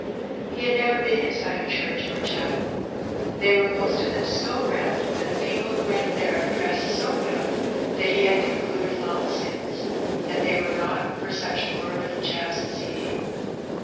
He had never been inside a church or a chapel; they were most of them so grand, and the people who went Two Visits. 69 it irere dressed so well, that he had concluded long since hat they were not for such poor little chaps as he.